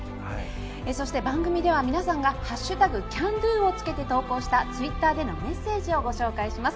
そして、番組では皆さんが「＃ＣＡＮＤＯ」をつけて投稿したツイッターでのメッセージをご紹介します。